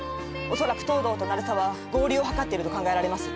おそらく東堂と鳴沢は合流を図っていると考えられます